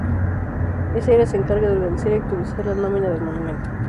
Este área se encarga de organizar y actualizar la nómina del Monumento.